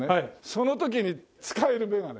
その時に使えるメガネ。